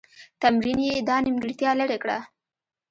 تمرین یې دا نیمګړتیا لیري کړه.